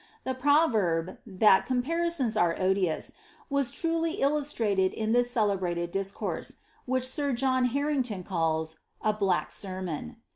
The proverb, that ^^comparisons are odious," was truly illustrated by this celebrated discourse, which Sir John Harrington calls ^a black sermon."